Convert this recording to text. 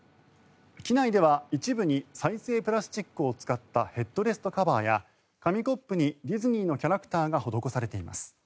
機内では一部に再生プラスチックを使ったヘッドレストカバーや紙コップにディズニーのキャラクターが施されています。